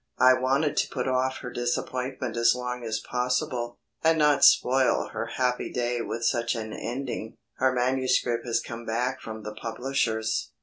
"I wanted to put off her disappointment as long as possible, and not spoil her happy day with such an ending. Her manuscript has come back from the publishers."